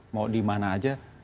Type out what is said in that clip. mau di mana aja